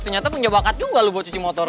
ternyata punya bakat juga loh buat cuci motor